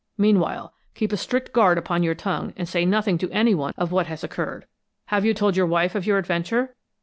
Meanwhile, keep a strict guard upon your tongue, and say nothing to anyone of what has occurred. Have you told your wife of your adventure?"